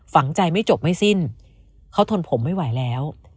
ฝังใจไม่จบไม่สิ้นเขาทนผมไม่ไหวแล้ว